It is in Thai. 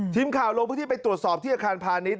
ทีมข่าวลงพื้นที่ไปตรวจสอบที่อาคารพาณิชย